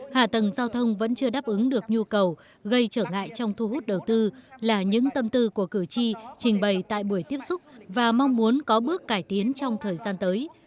hạ tầng giao thông vẫn chưa đáp ứng được nhu cầu gây trở ngại trong thu hút đầu tư là những tâm tư của cử tri trình bày tại buổi tiếp xúc và mong muốn có bước cải tiến trong thời gian tới